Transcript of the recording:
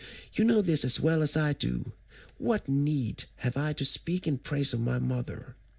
You know this as well as I do; what need have I to speak in praise of my mother?